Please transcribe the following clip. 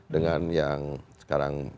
dengan yang sekarang